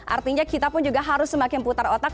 artinya kita pun juga harus semakin putar otak